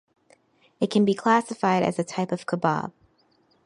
It can be classified as a type of kebab.